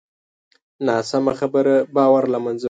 ناسمه خبره باور له منځه وړي